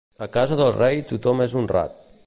A casa del rei tothom és honrat.